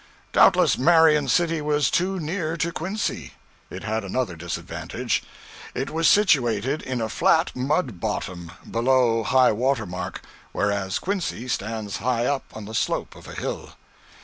Doubtless Marion City was too near to Quincy. It had another disadvantage: it was situated in a flat mud bottom, below high water mark, whereas Quincy stands high up on the slope of a hill.